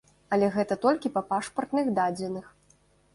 Але гэта толькі па пашпартных дадзеных.